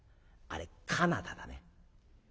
あれカナダだね。